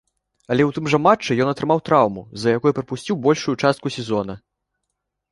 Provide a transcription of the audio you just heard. Але ў тым жа матчы ён атрымаў траўму, з-за якой прапусціў большую частку сезона.